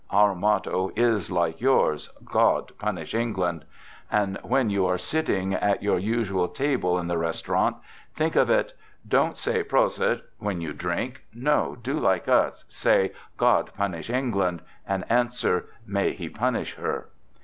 Our motto is, like yours, " God punish England !" And when you are 32 "THE GOOD SOLDIER sitting at your usual table in the restaurant, think of it. Don't say, "Prosit," when you drink; no, do like us, say, "God punish England !" and answer, " May He punish her!